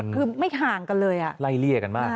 คือไม่ห่างกันเลยไล่เลี่ยกันมาก